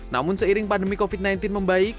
namun seiring pandemi covid sembilan belas membaik